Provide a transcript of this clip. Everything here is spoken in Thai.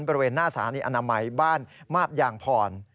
บริเวณหน้าสถานีอนามัยบ้านมาบยางพร